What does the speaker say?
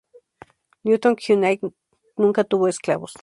Newton Knight nunca tuvo esclavos.